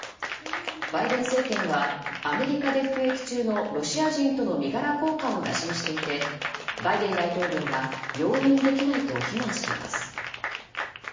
バイデン政権はアメリカで服役中のロシア人との身柄交換を打診していてバイデン大統領は容認できないと非難しています。